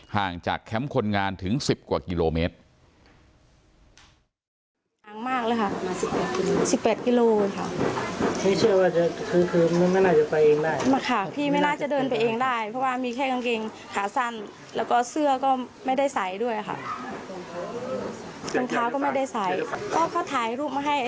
ห่างจากแคมป์คนงานถึง๑๐กว่ากิโลเมตร